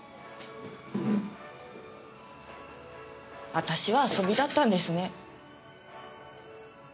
私は遊びだったんですね。